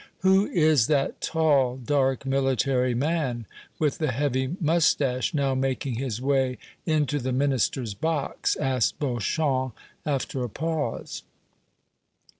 "Who is that tall, dark military man, with the heavy moustache, now making his way into the Minister's box?" asked Beauchamp, after a pause.